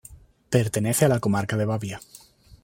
Pertenece a la comarca de Babia.